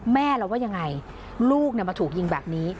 แม่เราว่ายังไงลูกมาถูกยิงแบบนี้